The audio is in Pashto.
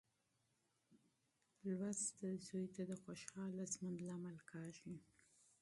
زده کړه زوی ته د خوشخاله ژوند لامل کیږي.